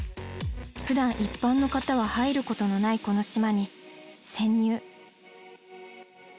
ふだん一般の方は入ることのないこの島に潜入。